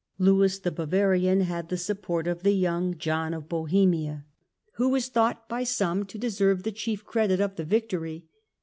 Lewis the Bavarian had the support of the young John of Bohemia, who is thought by some to de serve the chief credit of the victory.